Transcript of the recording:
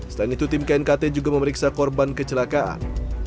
selain itu tim knkt juga memeriksa korban kecelakaan